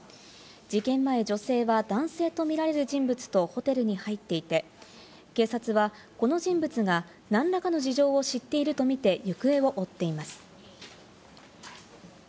事件前、女性は男性とみられる人物とホテルに入っていて、警察はこの人物が何らかの事情を知っているとみて、行方を追っています。